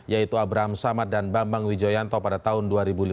yaitu abraham samad dan bambang wijoyanto pada tahun dua ribu lima belas